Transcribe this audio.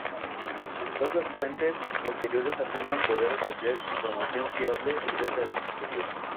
Numerosas fuentes posteriores afirman poder ofrecer información fiable acerca de este período.